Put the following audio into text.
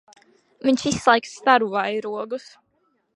Viņš izslēgs staru vairogus.